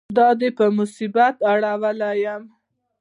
دا دې په مصیبت اړولی یم.